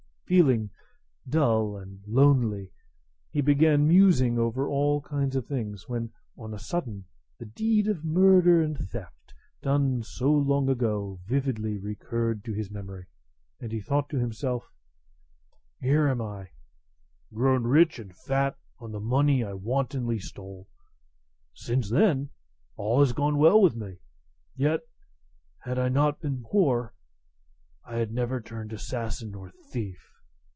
Feeling dull and lonely, he began musing over all kinds of things, when on a sudden the deed of murder and theft, done so long ago, vividly recurred to his memory, and he thought to himself, "Here am I, grown rich and fat on the money I wantonly stole. Since then, all has gone well with me; yet, had I not been poor, I had never turned assassin nor thief.